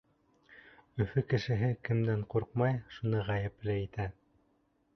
Өфө кешеһе кемдән ҡурҡмай, шуны ғәйепле итә.